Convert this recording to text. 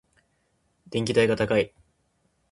電気代が高い。